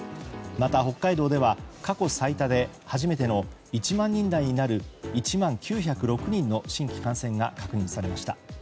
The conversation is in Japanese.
また、北海道では過去最多で初めての１万人台になる、１万９０６人の新規感染が確認されました。